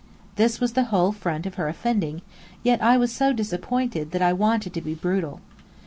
This was the whole front of her offending; yet I was so disappointed that I wanted to be brutal.